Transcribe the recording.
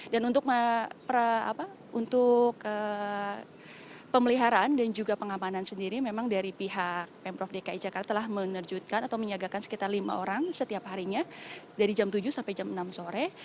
untuk pemeliharaan dan juga pengamanan sendiri memang dari pihak pemprov dki jakarta telah menerjutkan atau menyiagakan sekitar lima orang setiap harinya dari jam tujuh sampai jam enam sore